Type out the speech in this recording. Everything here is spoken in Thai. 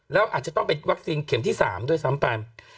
แล้วอาจจะต้องเป็นวัคซีนเข็มที่๓ด้วยซ้ำไป